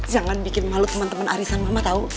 jangan bikin malu teman teman arisan mama tahu